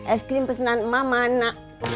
es krim pesanan emak mana